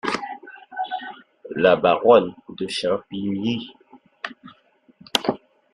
La Baronne de Champigny .